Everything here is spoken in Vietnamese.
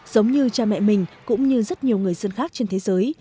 giống như cha mẹ mình cũng như rất nhiều người dân khác trên thế giới